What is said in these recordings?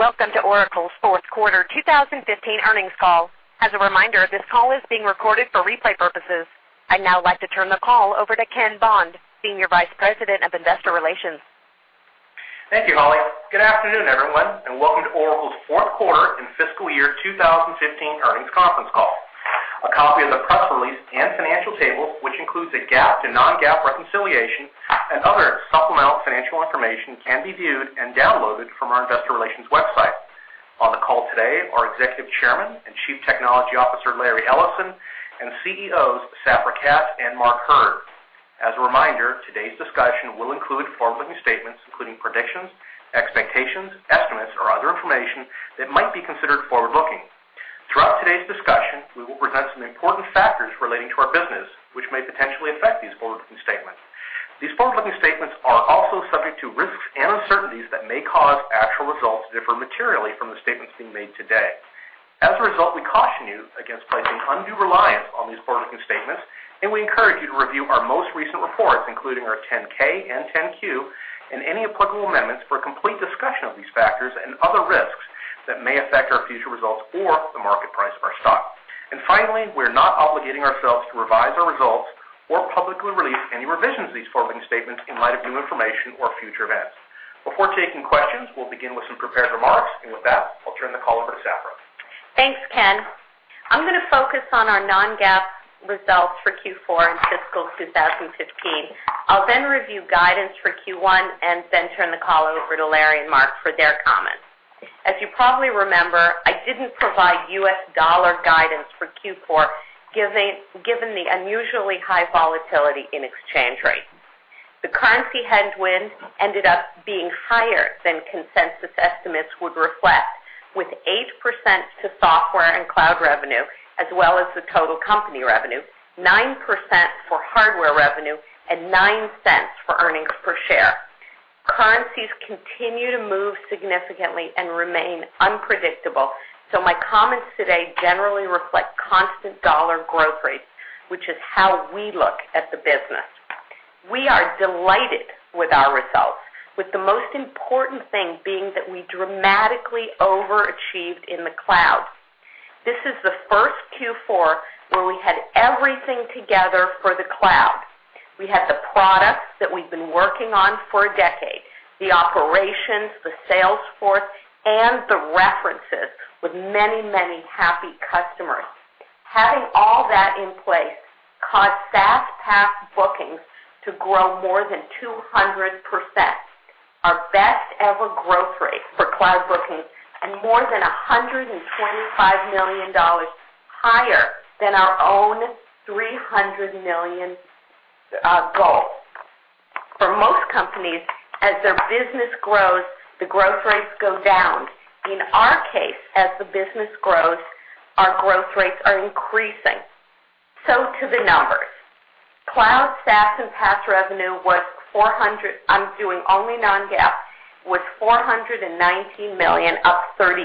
Welcome to Oracle's fourth quarter 2015 earnings call. As a reminder, this call is being recorded for replay purposes. I'd now like to turn the call over to Ken Bond, Senior Vice President of Investor Relations. Thank you, Holly. Good afternoon, everyone, and welcome to Oracle's fourth quarter and fiscal year 2015 earnings conference call. A copy of the press release and financial tables, which includes a GAAP to non-GAAP reconciliation and other supplemental financial information, can be viewed and downloaded from our investor relations website. On the call today are Executive Chairman and Chief Technology Officer, Larry Ellison, and CEOs Safra Catz and Mark Hurd. As a reminder, today's discussion will include forward-looking statements, including predictions, expectations, estimates, or other information that might be considered forward-looking. Throughout today's discussion, we will present some important factors relating to our business, which may potentially affect these forward-looking statements. These forward-looking statements are also subject to risks and uncertainties that may cause actual results to differ materially from the statements being made today. As a result, we caution you against placing undue reliance on these forward-looking statements, and we encourage you to review our most recent reports, including our 10-K and 10-Q, and any applicable amendments for a complete discussion of these factors and other risks that may affect our future results or the market price of our stock. Finally, we're not obligating ourselves to revise our results or publicly release any revisions to these forward-looking statements in light of new information or future events. Before taking questions, we'll begin with some prepared remarks. With that, I'll turn the call over to Safra. Thanks, Ken. I'm going to focus on our non-GAAP results for Q4 and fiscal 2015. I'll then review guidance for Q1 and then turn the call over to Larry and Mark for their comments. As you probably remember, I didn't provide U.S. dollar guidance for Q4, given the unusually high volatility in exchange rates. The currency headwind ended up being higher than consensus estimates would reflect, with 8% to software and cloud revenue, as well as the total company revenue, 9% for hardware revenue, and $0.09 for earnings per share. Currencies continue to move significantly and remain unpredictable. My comments today generally reflect constant dollar growth rates, which is how we look at the business. We are delighted with our results, with the most important thing being that we dramatically overachieved in the cloud. This is the first Q4 where we had everything together for the cloud. We had the products that we've been working on for a decade, the operations, the sales force, and the references with many happy customers. Having all that in place caused SaaS, PaaS bookings to grow more than 200%, our best ever growth rate for cloud bookings and more than $125 million higher than our own $300 million goal. For most companies, as their business grows, the growth rates go down. In our case, as the business grows, our growth rates are increasing. To the numbers. Cloud SaaS and PaaS revenue, I'm doing only non-GAAP, was $419 million, up 34%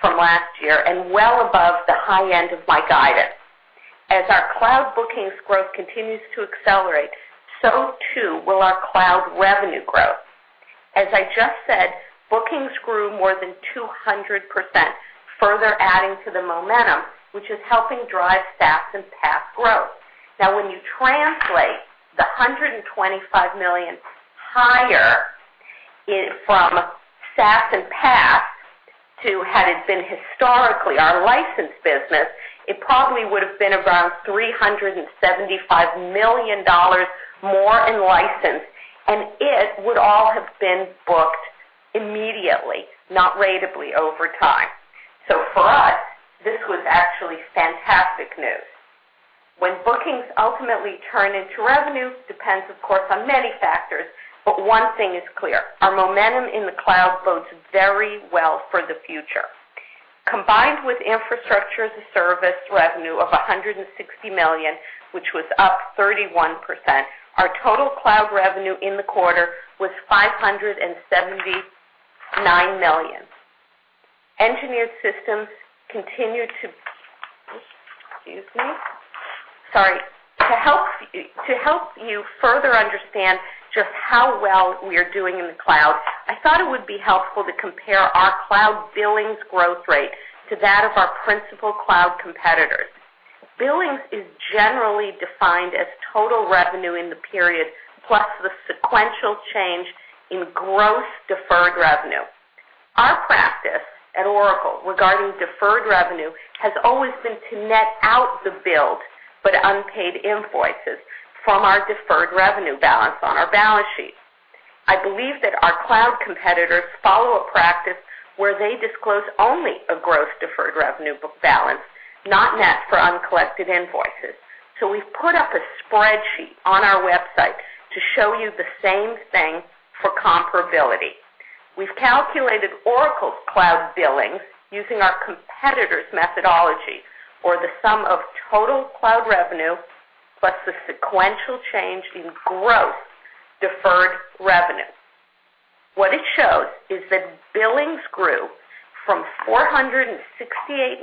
from last year and well above the high end of my guidance. As our cloud bookings growth continues to accelerate, so too will our cloud revenue growth. As I just said, bookings grew more than 200%, further adding to the momentum, which is helping drive SaaS and PaaS growth. When you translate the $125 million higher from SaaS and PaaS to had it been historically our license business, it probably would have been around $375 million more in license, and it would all have been booked immediately, not ratably over time. For us, this was actually fantastic news. When bookings ultimately turn into revenue depends, of course, on many factors, but one thing is clear, our momentum in the cloud bodes very well for the future. Combined with Infrastructure as a Service revenue of $160 million, which was up 31%, our total cloud revenue in the quarter was $579 million. Engineered Systems continued to. To help you further understand just how well we are doing in the cloud, I thought it would be helpful to compare our cloud billings growth rate to that of our principal cloud competitors. Billings is generally defined as total revenue in the period plus the sequential change in gross deferred revenue. Our practice at Oracle regarding deferred revenue has always been to net out the billed but unpaid invoices from our deferred revenue balance on our balance sheet. I believe that our cloud competitors follow a practice where they disclose only a gross deferred revenue balance, not net for uncollected invoices. We've put up a spreadsheet on our website to show you the same thing for comparability. We've calculated Oracle's cloud billings using our competitors' methodology, or the sum of total cloud revenue plus the sequential change in gross deferred revenue. What it shows is that billings grew From $468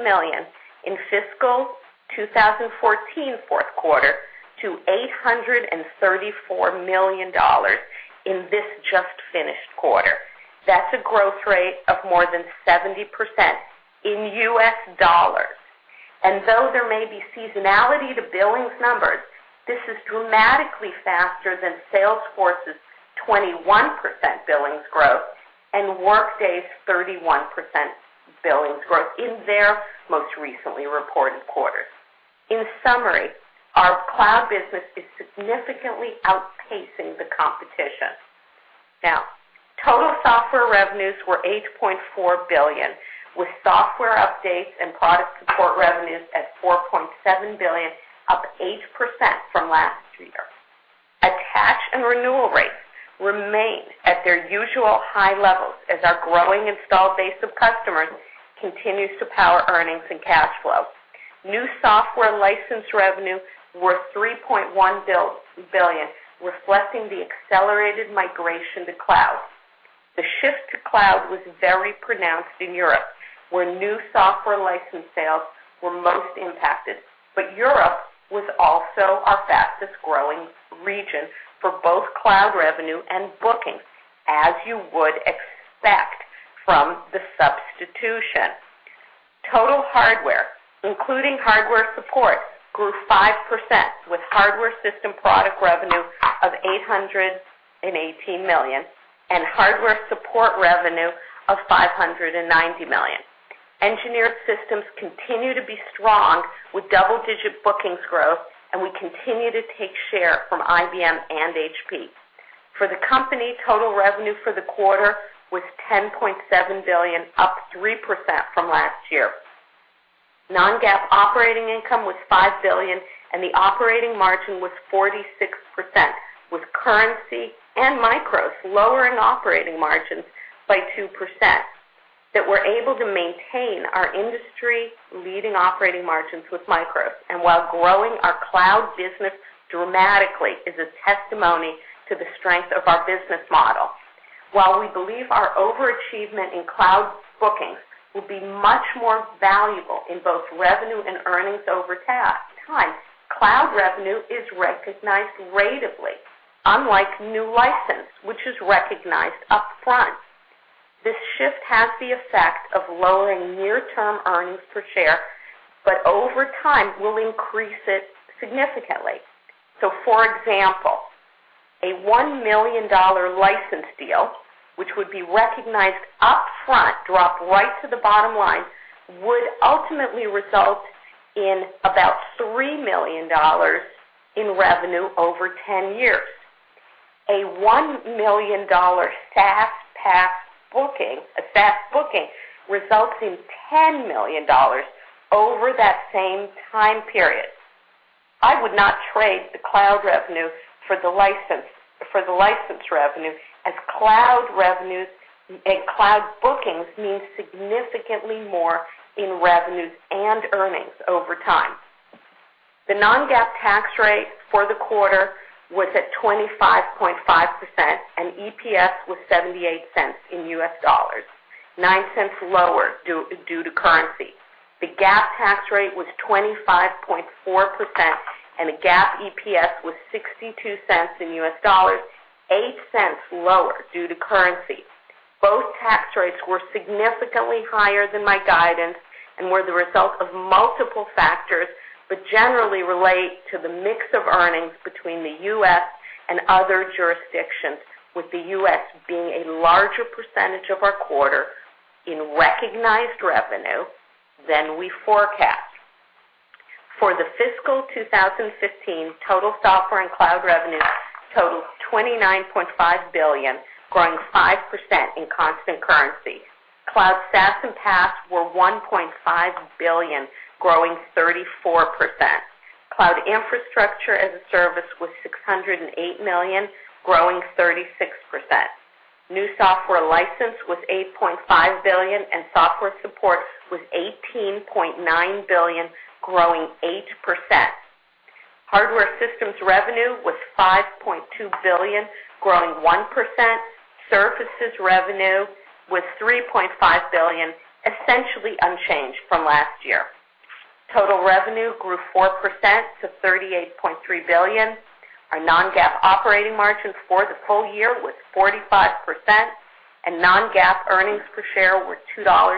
million in fiscal 2014 fourth quarter to $834 million in this just finished quarter. That's a growth rate of more than 70% in U.S. dollars. Though there may be seasonality to billings numbers, this is dramatically faster than Salesforce's 21% billings growth and Workday's 31% billings growth in their most recently reported quarters. In summary, our cloud business is significantly outpacing the competition. Total software revenues were $8.4 billion, with software updates and product support revenues at $4.7 billion, up 8% from last year. Attach and renewal rates remain at their usual high levels as our growing installed base of customers continues to power earnings and cash flow. New software license revenue were $3.1 billion, reflecting the accelerated migration to cloud. The shift to cloud was very pronounced in Europe, where new software license sales were most impacted. Europe was also our fastest-growing region for both cloud revenue and bookings, as you would expect from the substitution. Total hardware, including hardware support, grew 5%, with hardware system product revenue of $818 million and hardware support revenue of $590 million. Engineered systems continue to be strong with double-digit bookings growth, and we continue to take share from IBM and HP. For the company, total revenue for the quarter was $10.7 billion, up 3% from last year. Non-GAAP operating income was $5 billion and the operating margin was 46%, with currency and MICROS lowering operating margins by 2%. That we're able to maintain our industry-leading operating margins with MICROS and while growing our cloud business dramatically is a testimony to the strength of our business model. While we believe our overachievement in cloud bookings will be much more valuable in both revenue and earnings over time, cloud revenue is recognized ratably, unlike new license, which is recognized upfront. This shift has the effect of lowering near-term earnings per share, but over time will increase it significantly. For example, a $1 million license deal, which would be recognized upfront, drop right to the bottom line, would ultimately result in about $3 million in revenue over 10 years. A $1 million SaaS PaaS booking, a SaaS booking, results in $10 million over that same time period. I would not trade the cloud revenue for the license revenue, as cloud bookings means significantly more in revenues and earnings over time. The non-GAAP tax rate for the quarter was at 25.5% and EPS was $0.78 in U.S. dollars, $0.09 lower due to currency. The GAAP tax rate was 25.4%, and the GAAP EPS was $0.62 in U.S. dollars, $0.08 lower due to currency. Both tax rates were significantly higher than my guidance and were the result of multiple factors, but generally relate to the mix of earnings between the U.S. and other jurisdictions, with the U.S. being a larger percentage of our quarter in recognized revenue than we forecast. For the fiscal 2015, total software and cloud revenue totaled $29.5 billion, growing 5% in constant currency. Cloud SaaS and PaaS were $1.5 billion, growing 34%. Cloud Infrastructure as a Service was $608 million, growing 36%. New software license was $8.5 billion and software support was $18.9 billion, growing 8%. Hardware systems revenue was $5.2 billion, growing 1%. Services revenue was $3.5 billion, essentially unchanged from last year. Total revenue grew 4% to $38.3 billion. Our non-GAAP operating margin for the full year was 45%, and non-GAAP earnings per share were $2.77.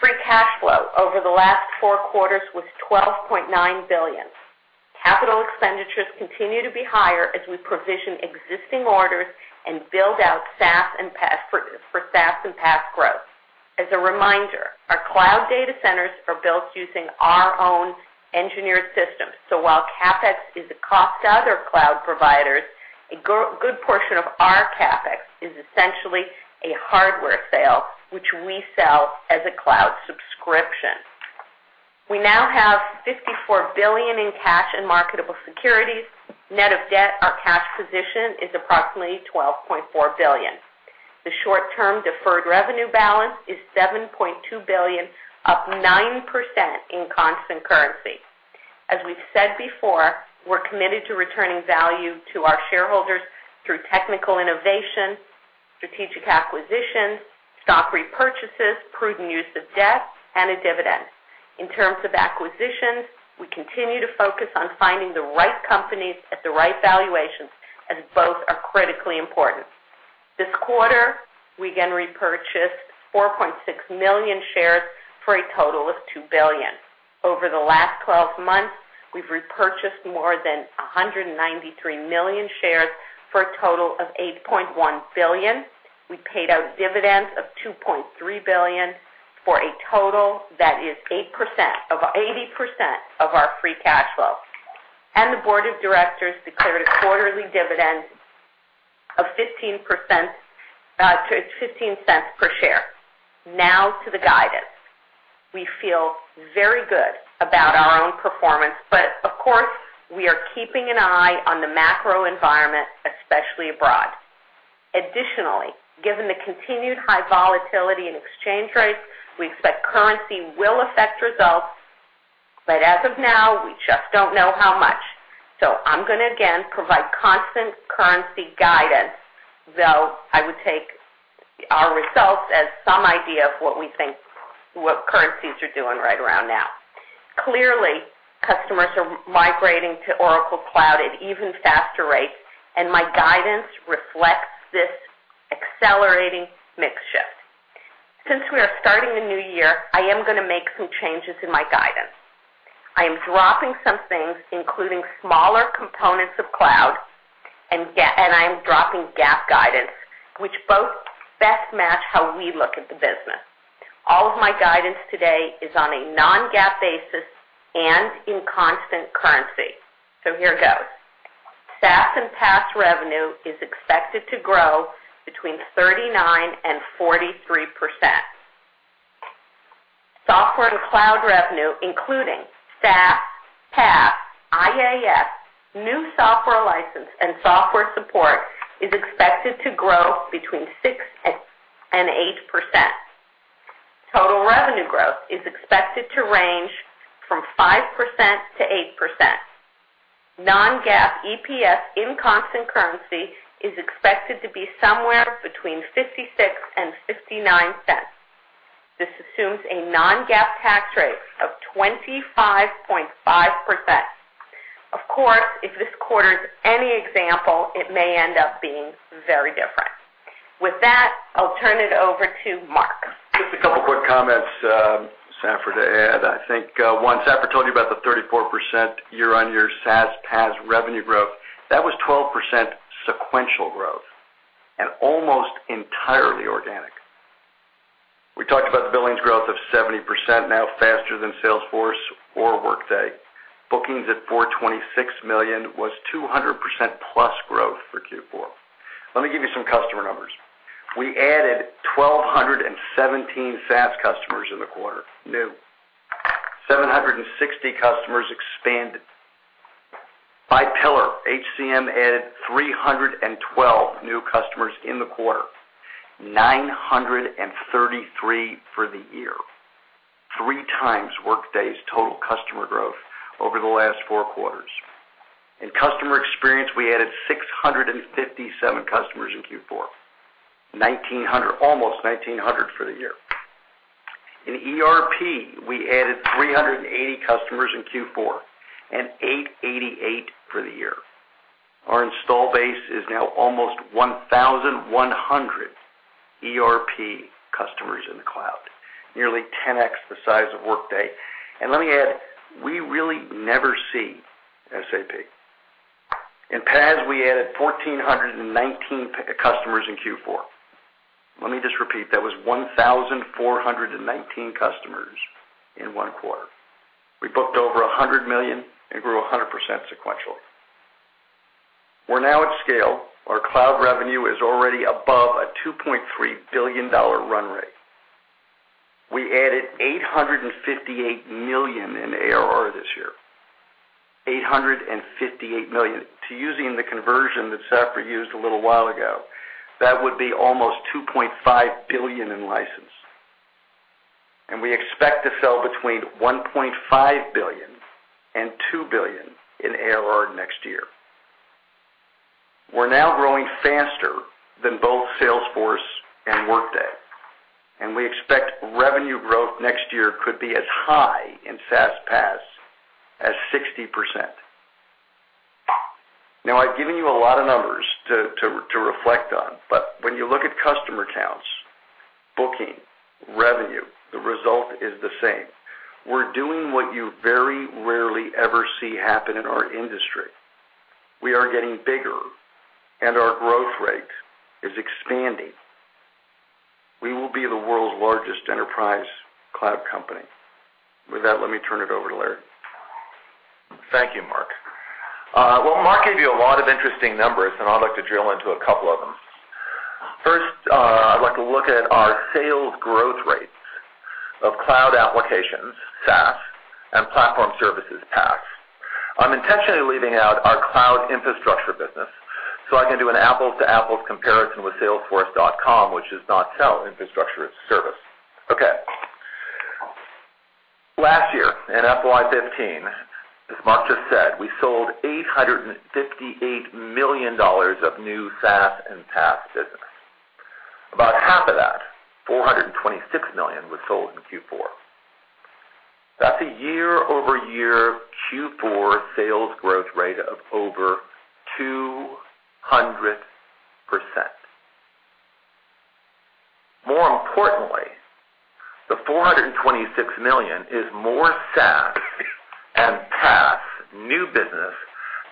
Free cash flow over the last four quarters was $12.9 billion. Capital expenditures continue to be higher as we provision existing orders and build out for SaaS and PaaS growth. As a reminder, our cloud data centers are built using our own engineered systems. While CapEx is a cost to other cloud providers, a good portion of our CapEx is essentially a hardware sale, which we sell as a cloud subscription. We now have $54 billion in cash and marketable securities. Net of debt, our cash position is approximately $12.4 billion. The short-term deferred revenue balance is $7.2 billion, up 9% in constant currency. As we've said before, we're committed to returning value to our shareholders through technical innovation, strategic acquisitions, stock repurchases, prudent use of debt, and a dividend. In terms of acquisitions, we continue to focus on finding the right companies at the right valuations, as both are critically important. This quarter, we again repurchased 4.6 million shares for a total of $2 billion. Over the last 12 months, we've repurchased more than 193 million shares for a total of $8.1 billion. We paid out dividends of $2.3 billion for a total that is 80% of our free cash flow. The board of directors declared a quarterly dividend of $0.15 per share. Now to the guidance. We feel very good about our own performance, of course, we are keeping an eye on the macro environment, especially abroad. Additionally, given the continued high volatility in exchange rates, we expect currency will affect results, as of now, we just don't know how much. I'm going to, again, provide constant currency guidance, though I would take our results as some idea of what we think currencies are doing right around now. Clearly, customers are migrating to Oracle Cloud at even faster rates, my guidance reflects this accelerating mix shift. Since we are starting a new year, I am going to make some changes in my guidance. I am dropping some things, including smaller components of cloud, I am dropping GAAP guidance, which both best match how we look at the business. All of my guidance today is on a non-GAAP basis and in constant currency. Here goes. SaaS and PaaS revenue is expected to grow between 39% and 43%. Software and cloud revenue, including SaaS, PaaS, IaaS, new software license, and software support, is expected to grow between 6% and 8%. Total revenue growth is expected to range from 5% to 8%. Non-GAAP EPS in constant currency is expected to be somewhere between $0.56 and $0.59. This assumes a non-GAAP tax rate of 25.5%. Of course, if this quarter is any example, it may end up being very different. With that, I'll turn it over to Mark. Just a couple of quick comments, Safra, to add. Safra told you about the 34% year-on-year SaaS, PaaS revenue growth. That was 12% sequential growth, almost entirely organic. We talked about the billings growth of 70%, now faster than Salesforce or Workday. Bookings at $426 million was 200%+ growth for Q4. Let me give you some customer numbers. We added 1,217 SaaS customers in the quarter, new. 760 customers expanded. By pillar, HCM added 312 new customers in the quarter, 933 for the year, three times Workday's total customer growth over the last four quarters. In customer experience, we added 657 customers in Q4, almost 1,900 for the year. In ERP, we added 380 customers in Q4, 888 for the year. Our install base is now almost 1,100 ERP customers in the cloud, nearly 10x the size of Workday. Let me add, we really never see SAP. In PaaS, we added 1,419 customers in Q4. Let me just repeat, that was 1,419 customers in one quarter. We booked over $100 million and grew 100% sequentially. We're now at scale. Our cloud revenue is already above a $2.3 billion run rate. We added $858 million in ARR this year. $858 million. To using the conversion that Safra used a little while ago, that would be almost $2.5 billion in license. We expect to sell between $1.5 billion and $2 billion in ARR next year. We're now growing faster than both Salesforce and Workday, and we expect revenue growth next year could be as high in SaaS, PaaS as 60%. I've given you a lot of numbers to reflect on. When you look at customer counts, booking, revenue, the result is the same. We're doing what you very rarely ever see happen in our industry. We are getting bigger, and our growth rate is expanding. We will be the world's largest enterprise cloud company. With that, let me turn it over to Larry. Thank you, Mark. Mark gave you a lot of interesting numbers, and I'd like to drill into a couple of them. First, I'd like to look at our sales growth rates of cloud applications, SaaS, and platform services, PaaS. I'm intentionally leaving out our cloud infrastructure business I can do an apples-to-apples comparison with salesforce.com, which does not sell infrastructure as a service. Last year, in FY 2015, as Mark just said, we sold $858 million of new SaaS and PaaS business. About half of that, $426 million, was sold in Q4. That's a year-over-year Q4 sales growth rate of over 200%. More importantly, the $426 million is more SaaS and PaaS new business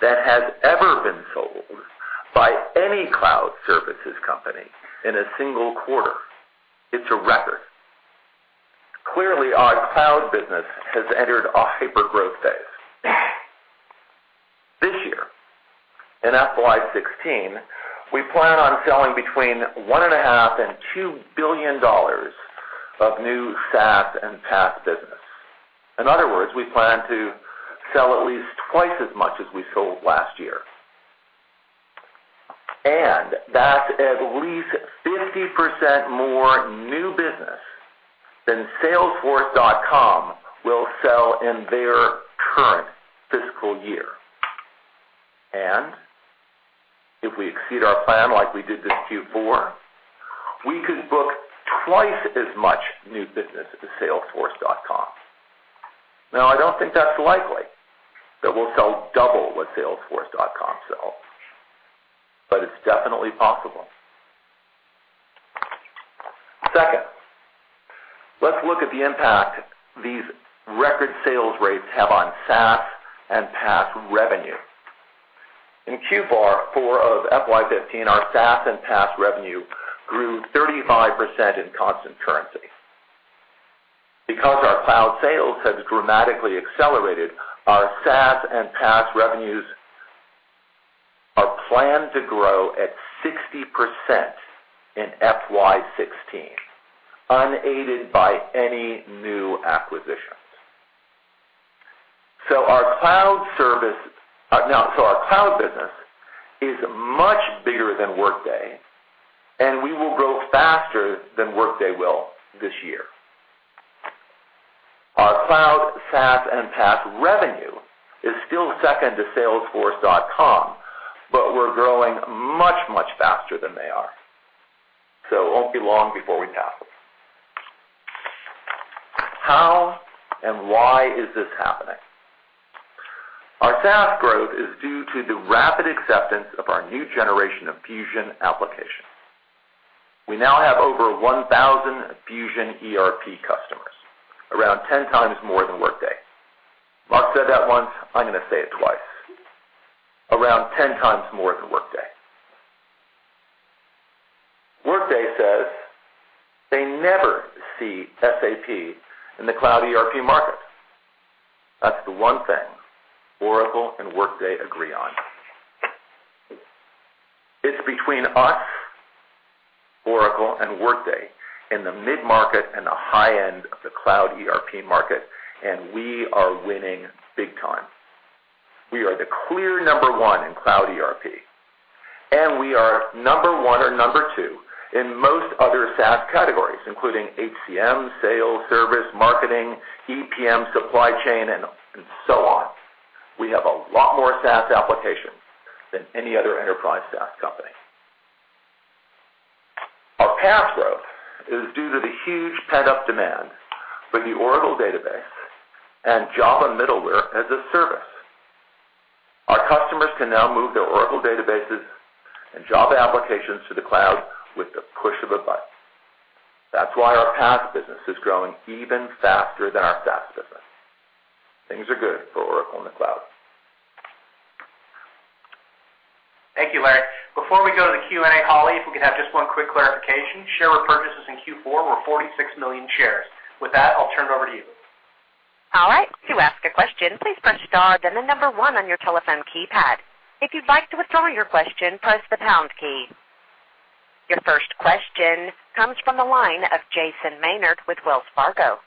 that has ever been sold by any cloud services company in a single quarter. It's a record. Clearly, our cloud business has entered a hyper-growth phase. This year, in FY 2016, we plan on selling between $1.5 billion and $2 billion of new SaaS and PaaS business. In other words, we plan to sell at least twice as much as we sold last year. That's at least 50% more new business than salesforce.com will sell in their current fiscal year. If we exceed our plan like we did this Q4, we could book twice as much new business as salesforce.com. I don't think that's likely that we'll sell double what salesforce.com sells, but it's definitely possible. Second, let's look at the impact these record sales rates have on SaaS and PaaS revenue. In Q4 of FY 2015, our SaaS and PaaS revenue grew 35% in constant currency. Our cloud sales has dramatically accelerated, our SaaS and PaaS revenues are planned to grow at 60% in FY 2016, unaided by any new acquisitions. Our cloud business is much bigger than Workday, and we will grow faster than Workday will this year. Our cloud SaaS and PaaS revenue is still second to salesforce.com, but we're growing much, much faster than they are. It won't be long before we pass them. How and why is this happening? Our SaaS growth is due to the rapid acceptance of our new generation of Fusion applications. We now have over 1,000 Fusion ERP customers, around 10 times more than Workday. Mark said that once. I'm going to say it twice. Around 10 times more than Workday. Workday says they never see SAP in the cloud ERP market. That's the one thing Oracle and Workday agree on. It's between us, Oracle, and Workday in the mid-market and the high end of the cloud ERP market, we are winning big time. We are the clear number 1 in cloud ERP, and we are number 1 or number 2 in most other SaaS categories, including HCM, sales, service, marketing, EPM, supply chain, and so on. We have a lot more SaaS applications than any other enterprise SaaS company. Our PaaS growth is due to the huge pent-up demand for the Oracle Database and Java middleware as a service. Our customers can now move their Oracle Databases and Java applications to the cloud with the push of a button. That's why our PaaS business is growing even faster than our SaaS business. Things are good for Oracle in the cloud. Thank you, Larry. Before we go to the Q&A, Holly, if we could have just one quick clarification. Share repurchases in Q4 were 46 million shares. With that, I'll turn it over to you. All right. To ask a question, please press star, then the number one on your telephone keypad. If you'd like to withdraw your question, press the pound key. Your first question comes from the line of Jason Maynard with Wells Fargo.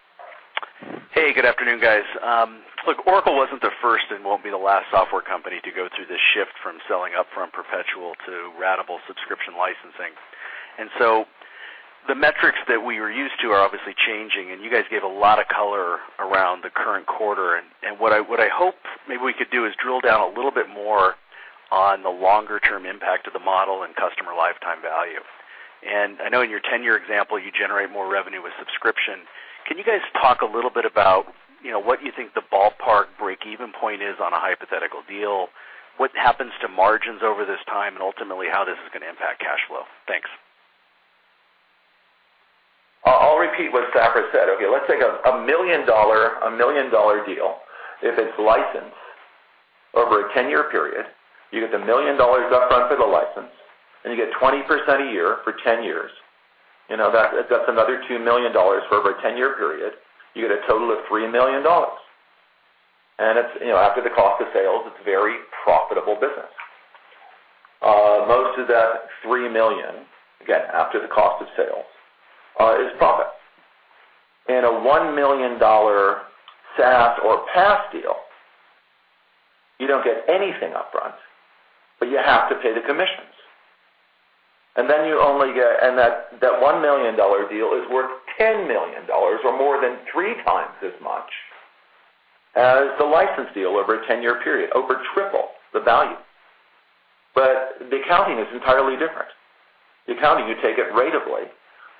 Hey, good afternoon, guys. Look, Oracle wasn't the first and won't be the last software company to go through this shift from selling up from perpetual to ratable subscription licensing. The metrics that we were used to are obviously changing, and you guys gave a lot of color around the current quarter. What I hope maybe we could do is drill down a little bit more on the longer-term impact of the model and customer lifetime value. I know in your 10-year example, you generate more revenue with subscription. Can you guys talk a little bit about what you think the ballpark break-even point is on a hypothetical deal? What happens to margins over this time, and ultimately how this is gonna impact cash flow? Thanks. I'll repeat what Safra said. Let's take a $1 million deal. If it's licensed over a 10-year period, you get $1 million upfront for the license, and you get 20% a year for 10 years. That's another $2 million for over a 10-year period. You get a total of $3 million. After the cost of sales, it's very profitable business. Most of that $3 million, again, after the cost of sales, is profit. In a $1 million SaaS or PaaS deal, you don't get anything upfront, but you have to pay the commissions. That $1 million deal is worth $10 million or more than three times as much as the license deal over a 10-year period, over triple the value. The accounting is entirely different. The accounting, you take it ratably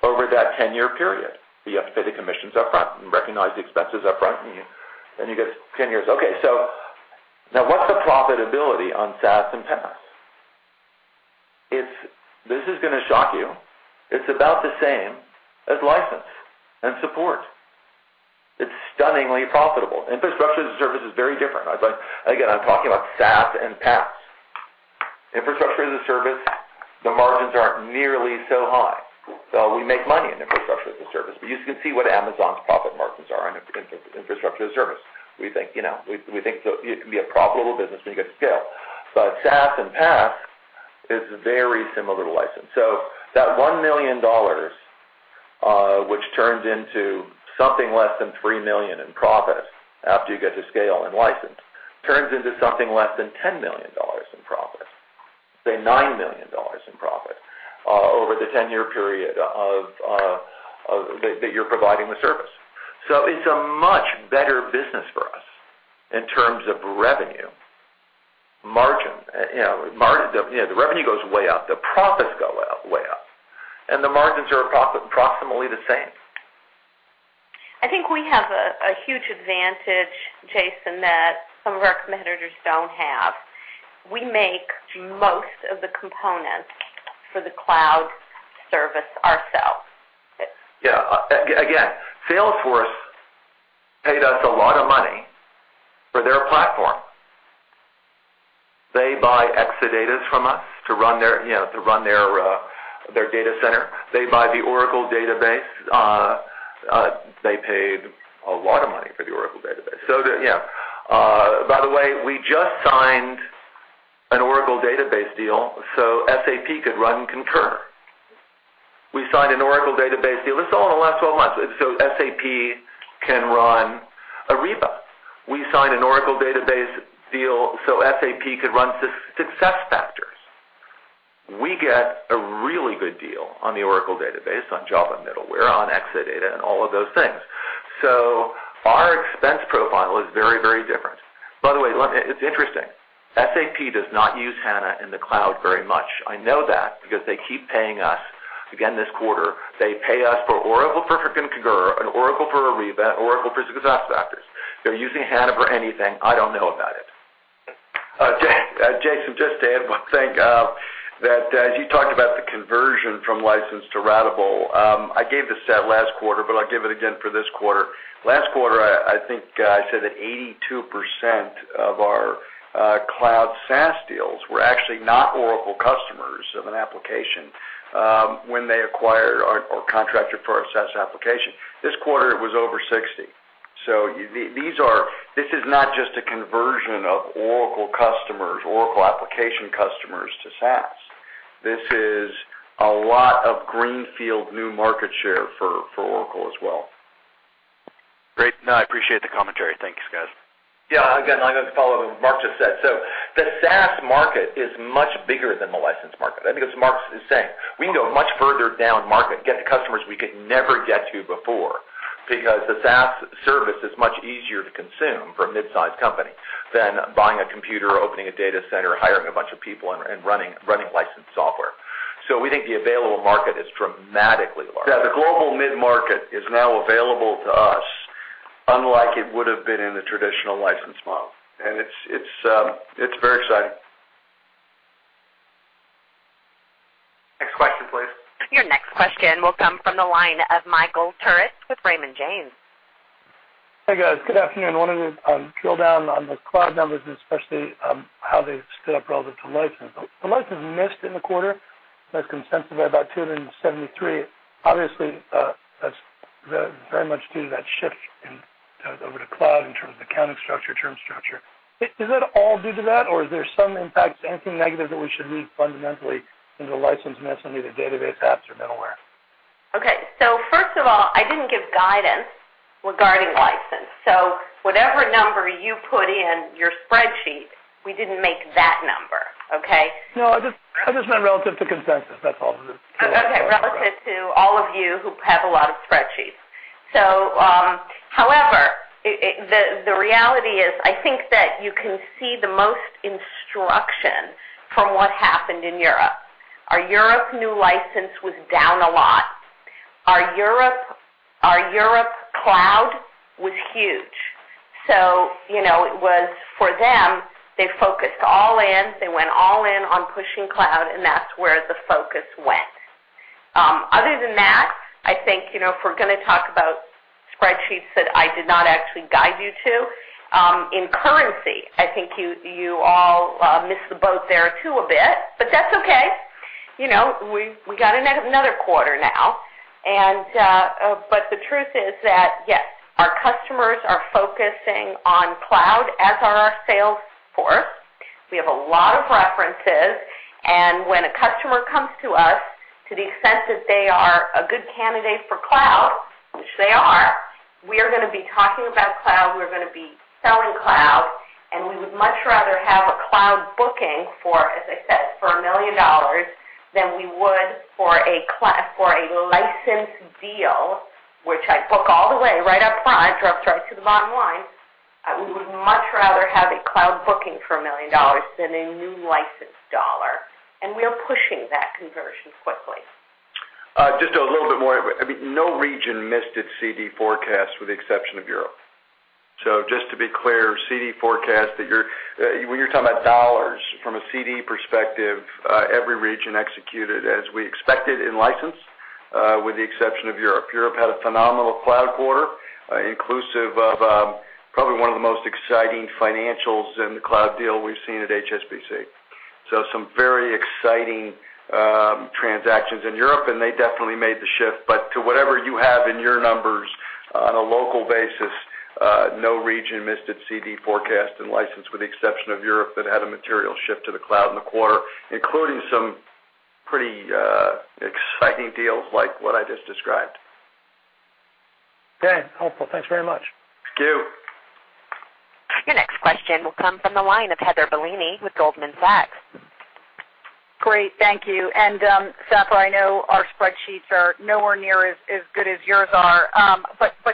over that 10-year period. You have to pay the commissions upfront and recognize the expenses upfront, and you get 10 years. What's the profitability on SaaS and PaaS? This is going to shock you. It's about the same as license and support. It's stunningly profitable. Infrastructure as a Service is very different. Again, I'm talking about SaaS and PaaS. Infrastructure as a Service, the margins aren't nearly so high. We make money in Infrastructure as a Service, but you can see what Amazon's profit margins are in Infrastructure as a Service. We think it can be a profitable business when you get to scale. SaaS and PaaS is very similar to license. That $1 million, which turns into something less than $3 million in profit after you get to scale and license, turns into something less than $10 million in profit, say $9 million in profit, over the 10-year period that you're providing the service. It's a much better business for us in terms of revenue margin. The revenue goes way up, the profits go way up, and the margins are approximately the same. I think we have a huge advantage, Jason, that some of our competitors don't have. We make most of the components for the cloud service ourselves. Yeah. Again, Salesforce paid us a lot of money for their platform. They buy Exadatas from us to run their data center. They buy the Oracle Database. They paid a lot of money for the Oracle Database. By the way, we just signed an Oracle Database deal so SAP could run Concur. We signed an Oracle Database deal, this is all in the last 12 months, so SAP can run Ariba. We signed an Oracle Database deal so SAP could run SuccessFactors. We get a really good deal on the Oracle Database, on Java middleware, on Exadata, and all of those things. Our expense profile is very different. By the way, it's interesting. SAP does not use HANA in the cloud very much. I know that because they keep paying us, again this quarter, they pay us for Oracle for Concur and Oracle for Ariba and Oracle for SuccessFactors. If they're using HANA for anything, I don't know about it. Jason, just to add one thing, that as you talked about the conversion from license to ratable, I gave the stat last quarter, but I'll give it again for this quarter. Last quarter, I think I said that 82% of our cloud SaaS deals were actually not Oracle customers of an application when they acquired or contracted for our SaaS application. This quarter, it was over 60. This is not just a conversion of Oracle application customers to SaaS. This is a lot of greenfield new market share for Oracle as well. Great. I appreciate the commentary. Thank you, guys. Again, I'm going to follow what Mark just said. The SaaS market is much bigger than the license market. I think as Mark is saying, we can go much further down market, get to customers we could never get to before because the SaaS service is much easier to consume for a mid-sized company than buying a computer, opening a data center, hiring a bunch of people and running licensed software. We think the available market is dramatically larger. The global mid-market is now available to us unlike it would've been in the traditional license model. It's very exciting. Next question, please. Your next question will come from the line of Michael Turits with Raymond James. Hey, guys. Good afternoon. Wanted to drill down on the cloud numbers and especially how they stood up relative to license. The license missed in the quarter. That's consensus by about $273. Obviously, that's very much due to that shift over to cloud in terms of accounting structure, term structure. Is that all due to that, or is there some impact, anything negative that we should read fundamentally into the license mess on either database apps or middleware? Okay. First of all, I didn't give guidance regarding license. Whatever number you put in your spreadsheet, we didn't make that number. Okay? No, I just meant relative to consensus. That's all. Relative to all of you who have a lot of spreadsheets. The reality is, I think that you can see the most instruction from what happened in Europe. Our Europe new license was down a lot. Our Europe cloud was huge. For them, they focused all in. They went all in on pushing cloud, and that's where the focus went. Other than that, I think if we're going to talk about spreadsheets that I did not actually guide you to, in currency, I think you all missed the boat there too a bit, but that's okay. We got another quarter now. The truth is that, yes, our customers are focusing on cloud as our Salesforce. We have a lot of references, and when a customer comes to us, to the extent that they are a good candidate for cloud, which they are, we are going to be talking about cloud. We're going to be selling cloud, and we would much rather have a cloud booking for, as I said, for $1 million than we would for a license deal, which I book all the way right up front, drops right to the bottom line. We would much rather have a cloud booking for $1 million than a new license dollar, and we are pushing that conversion quickly. Just a little bit more. No region missed its CD forecast with the exception of Europe. Just to be clear, CD forecast that when you're talking about $ from a CD perspective, every region executed as we expected in license, with the exception of Europe. Europe had a phenomenal cloud quarter, inclusive of probably one of the most exciting financials in the cloud deal we've seen at HSBC. Some very exciting transactions in Europe, and they definitely made the shift. To whatever you have in your numbers on a local basis, no region missed its CD forecast and license, with the exception of Europe, that had a material shift to the cloud in the quarter, including some pretty exciting deals like what I just described. Okay, helpful. Thanks very much. Thank you. Your next question will come from the line of Heather Bellini with Goldman Sachs. Great, thank you. Safra, I know our spreadsheets are nowhere near as good as yours are.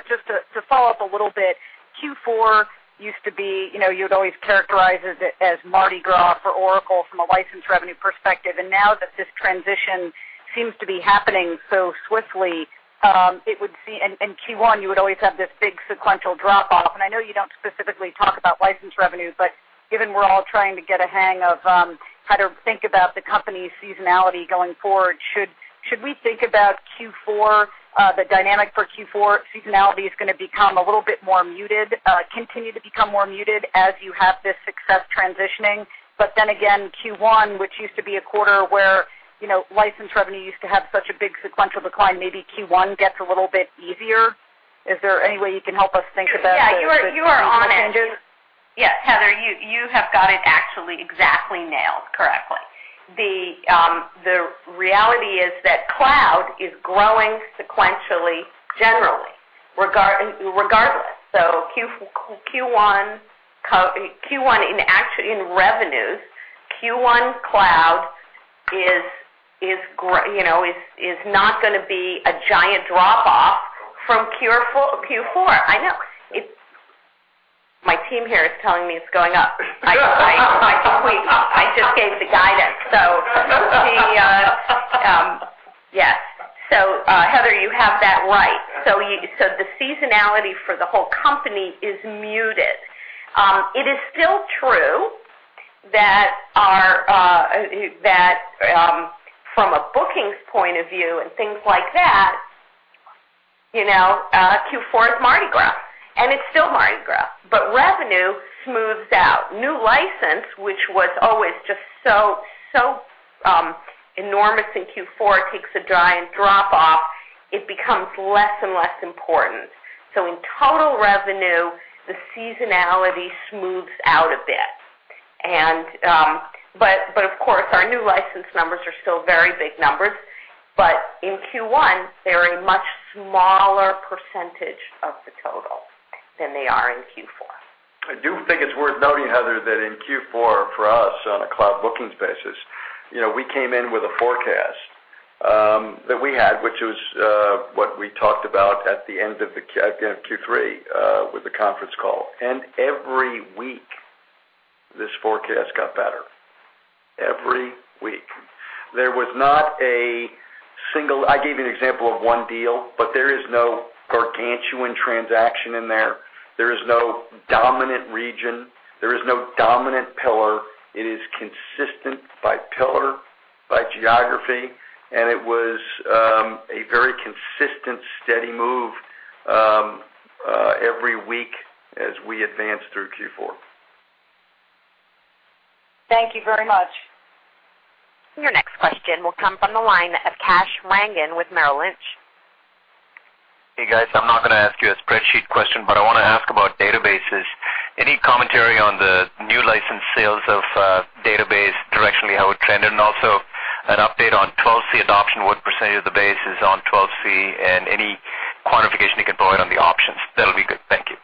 Just to follow up a little bit, Q4 used to be, you'd always characterize it as Mardi Gras for Oracle from a license revenue perspective. Now that this transition seems to be happening so swiftly, it would seem, in Q1, you would always have this big sequential drop off. I know you don't specifically talk about license revenues, but given we're all trying to get a hang of how to think about the company's seasonality going forward, should we think about Q4, the dynamic for Q4 seasonality is going to become a little bit more muted, continue to become more muted as you have this success transitioning? Again, Q1, which used to be a quarter where license revenue used to have such a big sequential decline, maybe Q1 gets a little bit easier. Is there any way you can help us think about the seasonal changes? Yes, Heather, you have got it actually exactly nailed correctly. The reality is that cloud is growing sequentially, generally, regardless. Q1 in revenues, Q1 cloud is not going to be a giant drop off from Q4. I know. My team here is telling me it's going up. I just gave the guidance. Heather, you have that right. The seasonality for the whole company is muted. It is still true that from a bookings point of view and things like that, Q4 is Mardi Gras, and it's still Mardi Gras. Revenue smooths out. New license, which was always just so enormous in Q4, takes a giant drop off. It becomes less and less important. In total revenue, the seasonality smooths out a bit. Of course, our new license numbers are still very big numbers. In Q1, they're a much smaller % of the total than they are in Q4. I do think it's worth noting, Heather, that in Q4 for us on a cloud bookings basis, we came in with a forecast that we had, which was what we talked about at the end of Q3 with the conference call. Every week, this forecast got better. Every week. I gave you an example of one deal, but there is no gargantuan transaction in there. There is no dominant region. There is no dominant pillar. It is consistent by pillar, by geography, and it was a very consistent, steady move every week as we advanced through Q4. Thank you very much. Your next question will come from the line of Kash Rangan with Merrill Lynch. Hey, guys, I'm not going to ask you a spreadsheet question, but I want to ask about databases. Any commentary on the new license sales of database directionally, how it trended? Also an update on 12c adoption, what % of the base is on 12c, and any quantification you can provide on the options. That'll be good. Thank you.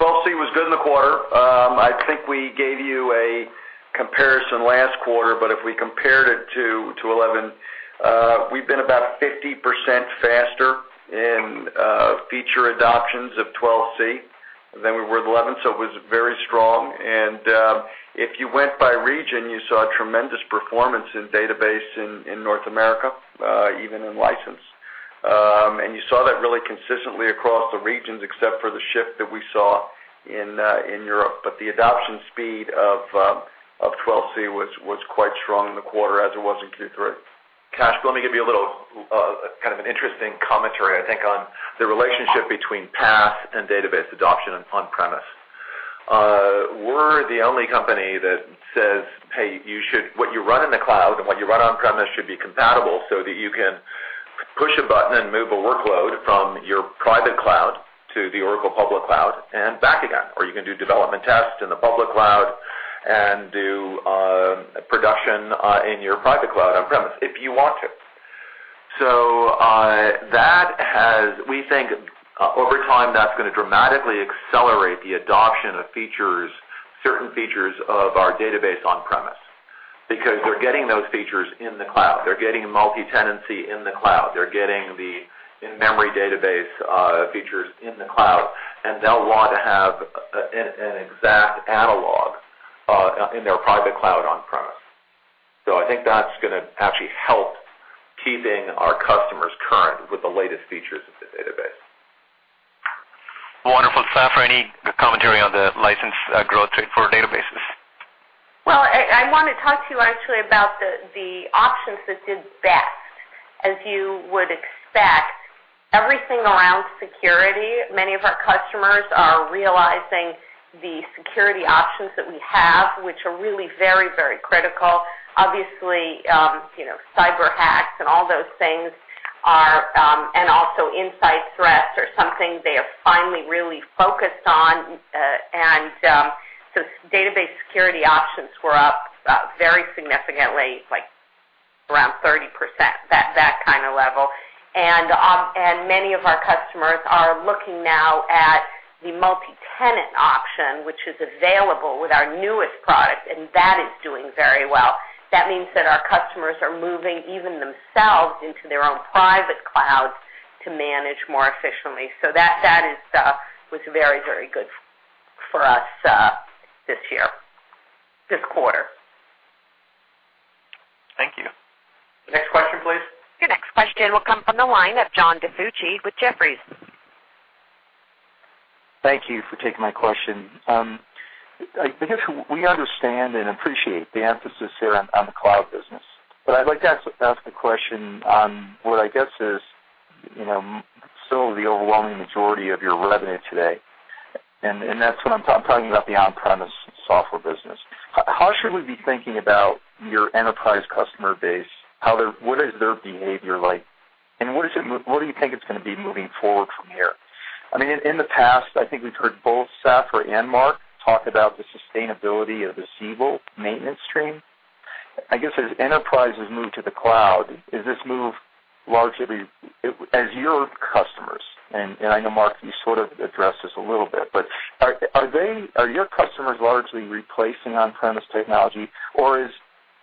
12c was good in the quarter. I think we gave you a comparison last quarter, but if we compared it to 11, we've been about 50% faster in feature adoptions of 12c than we were with 11. It was very strong. If you went by region, you saw tremendous performance in database in North America, even in license. You saw that really consistently across the regions except for the shift that we saw in Europe. The adoption speed of 12c was quite strong in the quarter as it was in Q3. Kash, let me give you a little kind of an interesting commentary, I think, on the relationship between PaaS and database adoption and on-premise. We're the only company that says, "Hey, what you run in the cloud and what you run on-premise should be compatible so that you can push a button and move a workload from your private cloud to the Oracle public cloud and back again. You can do development tests in the public cloud and do production in your private cloud on-premise, if you want to. We think, over time, that's going to dramatically accelerate the adoption of certain features of our database on-premise, because they're getting those features in the cloud. They're getting multi-tenancy in the cloud. They're getting the in-memory database features in the cloud, and they'll want to have an exact analog in their private cloud on-premise. I think that's going to actually help keeping our customers current with the latest features of the Database. Wonderful. Safra, any commentary on the license growth rate for Databases? I want to talk to you actually about the options that did best. As you would expect, everything around security, many of our customers are realizing the security options that we have, which are really very critical. Obviously, cyber hacks and all those things, and also inside threats are something they have finally really focused on. Database security options were up very significantly, like around 30%, that kind of level. Many of our customers are looking now at the multi-tenant option, which is available with our newest product, and that is doing very well. That means that our customers are moving even themselves into their own private clouds to manage more efficiently. That was very good for us this quarter. Thank you. Next question, please. Your next question will come from the line of John DiFucci with Jefferies. Thank you for taking my question. I guess we understand and appreciate the emphasis here on the cloud business. I'd like to ask a question on what I guess is still the overwhelming majority of your revenue today, and that's what I'm talking about the on-premise software business. How should we be thinking about your enterprise customer base? What is their behavior like, and what do you think it's going to be moving forward from here? In the past, I think we've heard both Safra and Mark talk about the sustainability of the Siebel maintenance stream. I guess as enterprises move to the cloud, as your customers, and I know, Mark, you sort of addressed this a little bit, are your customers largely replacing on-premise technology, or is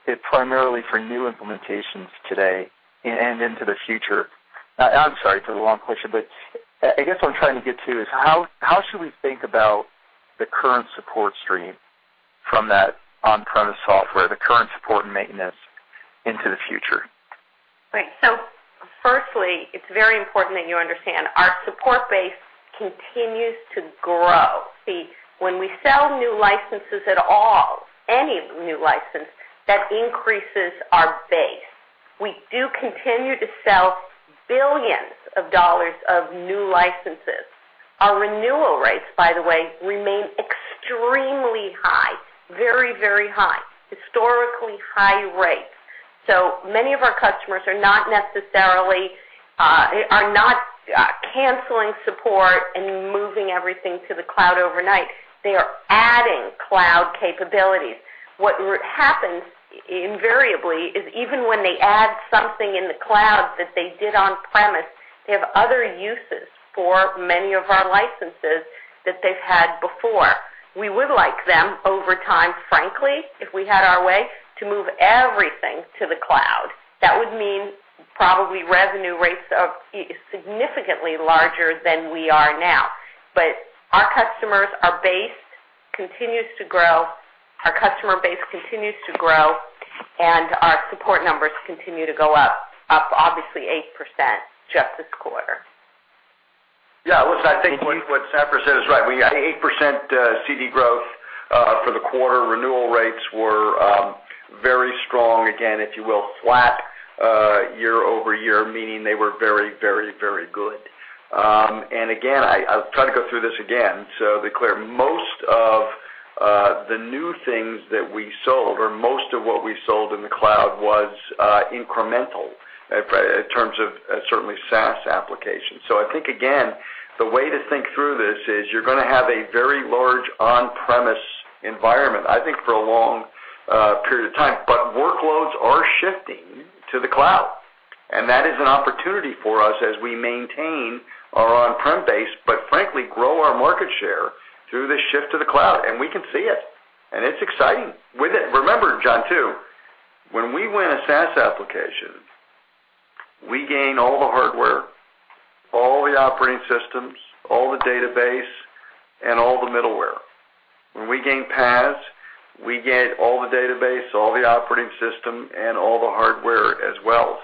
it primarily for new implementations today and into the future? I'm sorry for the long question, I guess what I'm trying to get to is how should we think about the current support stream from that on-premise software, the current support and maintenance into the future? Right. Firstly, it's very important that you understand our support base continues to grow. When we sell new licenses at all, any new license, that increases our base. We do continue to sell billions of dollars of new licenses. Our renewal rates, by the way, remain extremely high, very high, historically high rates. Many of our customers are not canceling support and moving everything to the cloud overnight. They are adding cloud capabilities. What happens invariably is even when they add something in the cloud that they did on-premise, they have other uses for many of our licenses that they've had before. We would like them, over time, frankly, if we had our way, to move everything to the cloud. That would mean probably revenue rates significantly larger than we are now. Our customers, our base continues to grow. Our customer base continues to grow, our support numbers continue to go up obviously 8% just this quarter. Listen, I think what Safra said is right. We got 8% CD growth for the quarter. Renewal rates were very strong, again, if you will, flat year-over-year, meaning they were very good. Again, I'll try to go through this again, so to be clear. Most of the new things that we sold, or most of what we sold in the cloud was incremental in terms of certainly SaaS applications. I think, again, the way to think through this is you're going to have a very large on-premise environment, I think, for a long period of time. Workloads are shifting to the cloud, and that is an opportunity for us as we maintain our on-prem base, but frankly, grow our market share through the shift to the cloud, and we can see it. It's exciting. Remember, John, too, when we win a SaaS application, we gain all the hardware, all the operating systems, all the database, and all the middleware. When we gain PaaS, we get all the database, all the operating system, and all the hardware as well.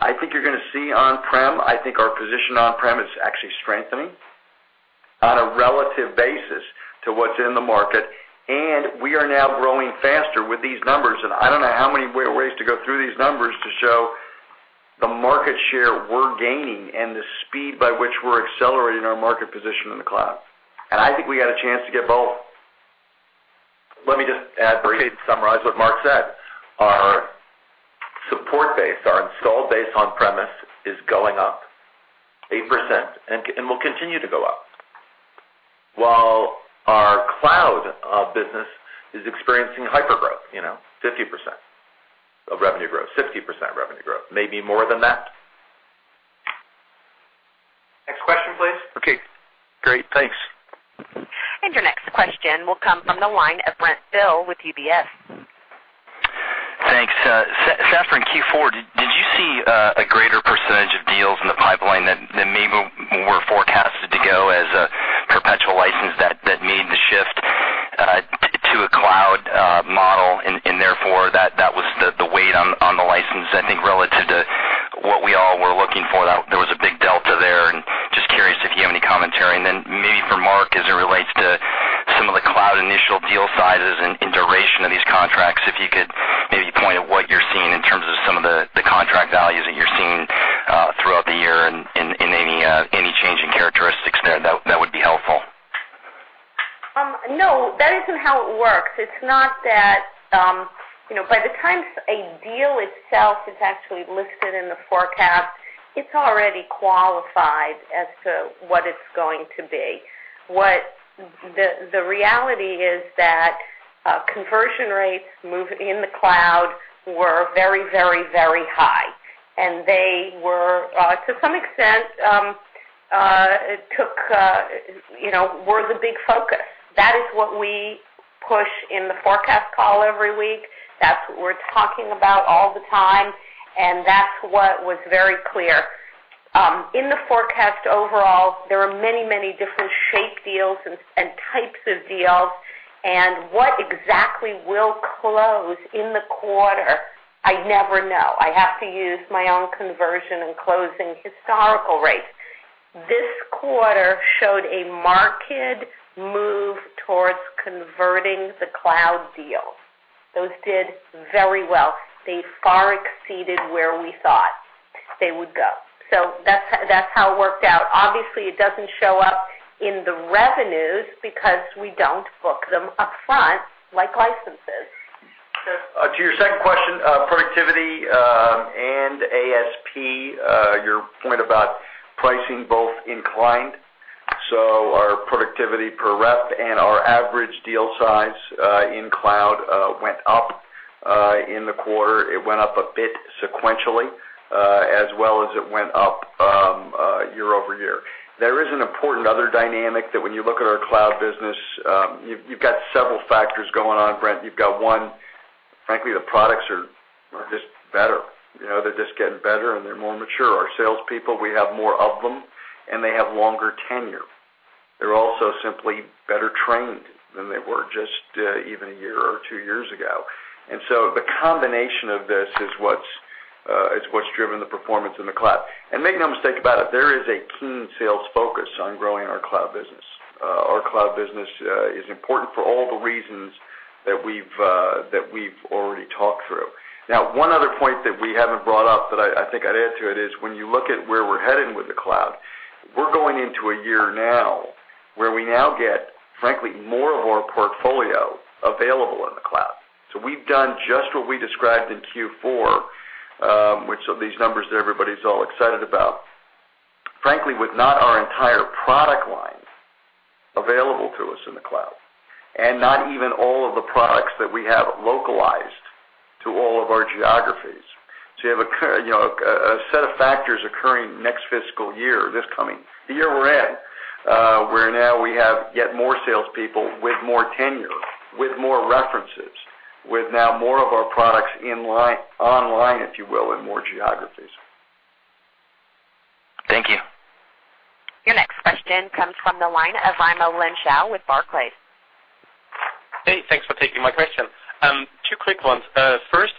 I think you're going to see on-prem, I think our position on-prem is actually strengthening on a relative basis to what's in the market, and we are now growing faster with these numbers. I don't know how many ways to go through these numbers to show the market share we're gaining and the speed by which we're accelerating our market position in the cloud. I think we got a chance to get both. Let me just add briefly to summarize what Mark said. Our support base, our installed base on-premise is going up 8% and will continue to go up, while our cloud business is experiencing hypergrowth, 50% of revenue growth, maybe more than that. Next question, please. Okay, great. Thanks. Your next question will come from the line of Brent Thill with UBS. Thanks. Safra, in Q4, did you see a greater percentage of deals in the pipeline that maybe were forecasted to go as a perpetual license that need to shift to a cloud model and therefore that was the weight on the license? I think relative to what we all were looking for, there was a big delta there, and just curious if you have any commentary. Maybe for Mark, as it relates to some of the cloud initial deal sizes and duration of these contracts, if you could maybe point at what you're seeing in terms of some of the contract values that you're seeing throughout the year and any changing characteristics there, that would be helpful. No, that isn't how it works. It's not that by the time a deal itself is actually listed in the forecast, it's already qualified as to what it's going to be. What the reality is that conversion rates move in the cloud were very high, and they were, to some extent, were the big focus. That is what we push in the forecast call every week. That's what we're talking about all the time, and that's what was very clear. In the forecast overall, there are many different shape deals and types of deals, and what exactly will close in the quarter, I never know. I have to use my own conversion and closing historical rates. This quarter showed a marked move towards converting the cloud deals. Those did very well. They far exceeded where we thought they would go. That's how it worked out. Obviously, it doesn't show up in the revenues because we don't book them upfront like licenses. To your second question, productivity and ASP, your point about pricing both inclined. Our productivity per rep and our average deal size in cloud went up in the quarter. It went up a bit sequentially, as well as it went up year-over-year. There is an important other dynamic that when you look at our cloud business, you've got several factors going on, Brent. You've got one, frankly, the products are just better. They're just getting better, and they're more mature. Our salespeople, we have more of them, and they have longer tenure. They're also simply better trained than they were just even a year or two years ago. The combination of this is what's driven the performance in the cloud. Make no mistake about it, there is a keen sales focus on growing our cloud business. One other point that we haven't brought up that I think I'd add to it is when you look at where we're headed with the cloud, we're going into a year now where we now get, frankly, more of our portfolio available in the cloud. We've done just what we described in Q4, which of these numbers that everybody's all excited about, frankly, with not our entire product line available to us in the cloud, and not even all of the products that we have localized to all of our geographies. You have a set of factors occurring next fiscal year, this coming year we're in, where now we have yet more salespeople with more tenure, with more references, with now more of our products online, if you will, in more geographies. Thank you. Your next question comes from the line of Raimo Lenschow with Barclays. Thanks for taking my question. Two quick ones. First,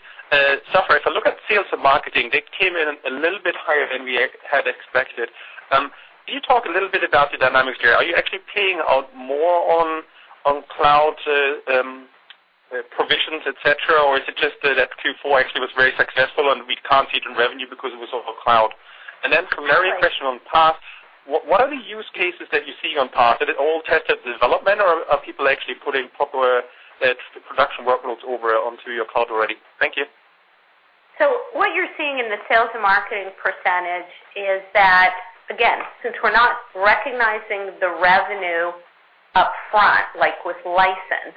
Safra, if I look at sales and marketing, they came in a little bit higher than we had expected. Can you talk a little bit about the dynamics there? Are you actually paying out more on cloud provisions, et cetera, or is it just that Q4 actually was very successful, and we can't see it in revenue because it was all cloud? For Mark, a question on PaaS. What are the use cases that you see on PaaS? Is it all test and development, or are people actually putting proper production workloads over onto your cloud already? Thank you. What you're seeing in the sales and marketing % is that, again, since we're not recognizing the revenue upfront, like with license,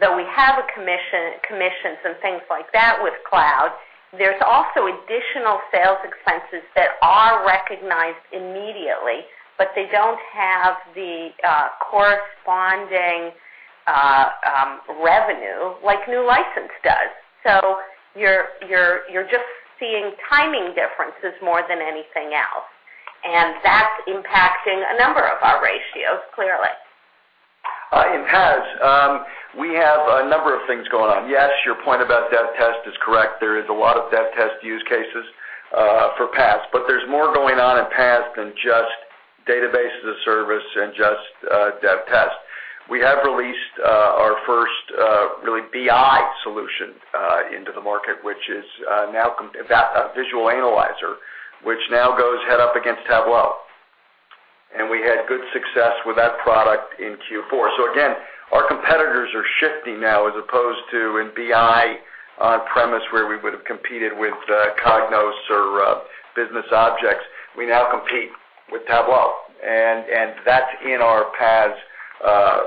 though we have commissions and things like that with cloud, there's also additional sales expenses that are recognized immediately, but they don't have the corresponding revenue like new license does. You're just seeing timing differences more than anything else, and that's impacting a number of our ratios, clearly. In PaaS, we have a number of things going on. Yes, your point about dev test is correct. There is a lot of dev test use cases for PaaS, but there's more going on in PaaS than just Database as a Service and just dev test. We have released our first really BI solution into the market, which is now a Visual Analyzer, which now goes head up against Tableau. We had good success with that product in Q4. Again, our competitors are shifting now as opposed to in BI on-premise where we would have competed with Cognos or Business Objects. We now compete with Tableau, and that's in our PaaS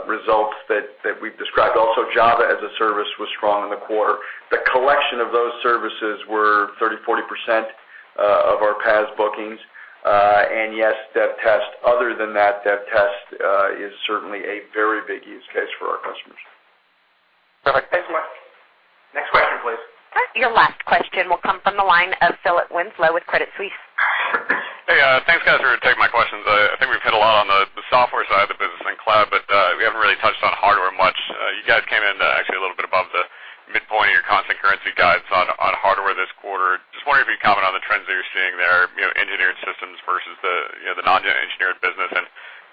results that we've described. Java as a Service was strong in the quarter. The collection of those services were 30%, 40% of our PaaS bookings. Yes, DevTest. Other than that, DevTest is certainly a very big use case for our customers. Perfect. Thanks, Mark. Next question, please. Your last question will come from the line of Philip Winslow with Credit Suisse. Hey. Thanks, guys, for taking my questions. I think we've hit a lot on the software side of the business and cloud. We haven't really touched on hardware much. You guys came in actually a little bit above the midpoint of your constant currency guides on hardware this quarter. Just wondering if you could comment on the trends that you're seeing there, engineered systems versus the non-engineered business.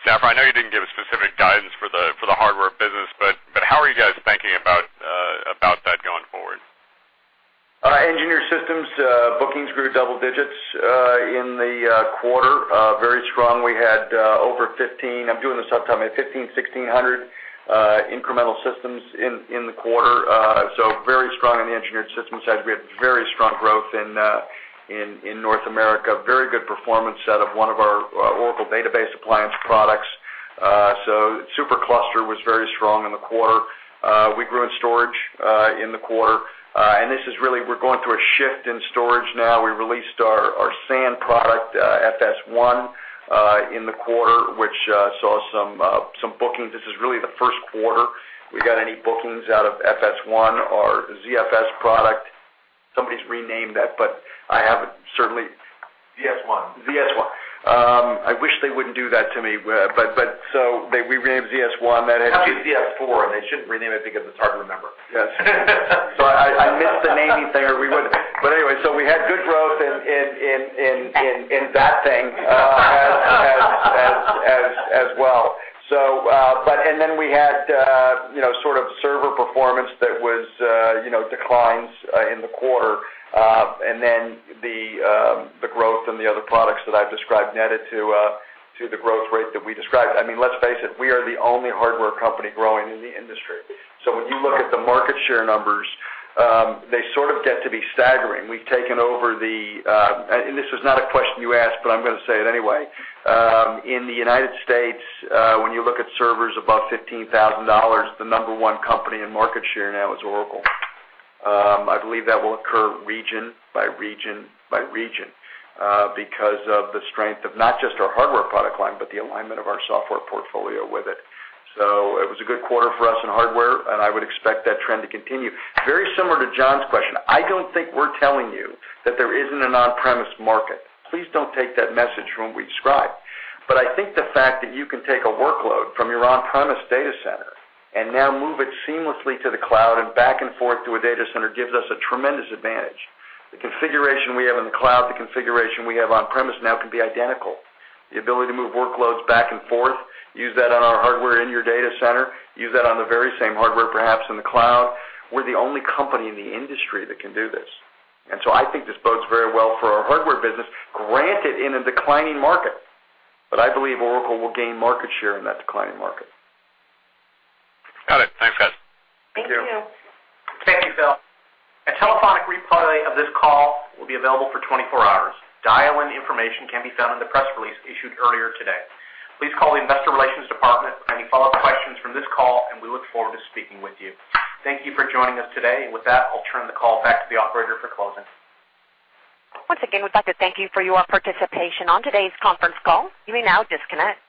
Safra, I know you didn't give specific guidance for the hardware business, but how are you guys thinking about that going forward? Engineered systems bookings grew double digits in the quarter. Very strong. We had over 15, I'm doing this off the top of my head, 1,500, 1,600 incremental systems in the quarter. Very strong on the engineered systems side. We had very strong growth in North America. Very good performance out of one of our Oracle Database Appliance products. SuperCluster was very strong in the quarter. We grew in storage in the quarter. This is really, we're going through a shift in storage now. We released our SAN product, FS1, in the quarter, which saw some bookings. This is really the first quarter we got any bookings out of FS1, our ZFS product. Somebody's renamed that, but I haven't certainly- ZS11-2. ZS11-2. I wish they wouldn't do that to me, but so they renamed ZS11-2. That is- It used to be ZS4-4, and they shouldn't rename it because it's hard to remember. Yes. I missed the naming there. Anyway, we had good growth in that thing as well. We had sort of server performance that was declines in the quarter. The growth in the other products that I've described netted to the growth rate that we described. Let's face it, we are the only hardware company growing in the industry. When you look at the market share numbers, they sort of get to be staggering. We've taken over the. This is not a question you asked, but I'm going to say it anyway. In the United States, when you look at servers above $15,000, the number one company in market share now is Oracle. I believe that will occur region by region by region because of the strength of not just our hardware product line, but the alignment of our software portfolio with it. It was a good quarter for us in hardware, and I would expect that trend to continue. Very similar to John's question, I don't think we're telling you that there isn't an on-premise market. Please don't take that message from what we described. I think the fact that you can take a workload from your on-premise data center and now move it seamlessly to the cloud and back and forth to a data center gives us a tremendous advantage. The configuration we have in the cloud, the configuration we have on-premise now can be identical. The ability to move workloads back and forth, use that on our hardware in your data center, use that on the very same hardware, perhaps in the cloud. We're the only company in the industry that can do this. I think this bodes very well for our hardware business, granted in a declining market. I believe Oracle will gain market share in that declining market. Got it. Thanks, guys. Thank you. Thank you, Phil. A telephonic replay of this call will be available for 24 hours. Dial-in information can be found in the press release issued earlier today. Please call the investor relations department with any follow-up questions from this call, we look forward to speaking with you. Thank you for joining us today. With that, I'll turn the call back to the operator for closing. Once again, we'd like to thank you for your participation on today's conference call. You may now disconnect.